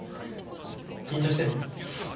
緊張してんの？